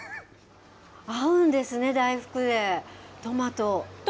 合うんですね、大福で、トマト。